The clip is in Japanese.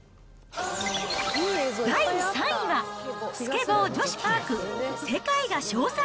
第３位は、スケボー女子パーク、世界が称賛！